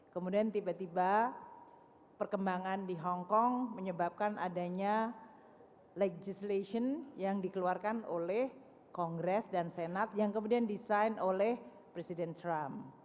kemudian tiba tiba perkembangan di hongkong menyebabkan adanya legislation yang dikeluarkan oleh kongres dan senat yang kemudian disign oleh presiden trump